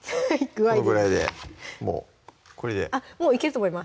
このぐらいでもうこれでもういけると思います